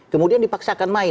kemudian dipaksakan main